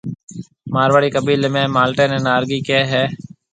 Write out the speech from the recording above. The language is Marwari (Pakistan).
مارواڙِي قيبيلي ۾ مالٽي نَي نارنگِي ڪهيَ هيَ۔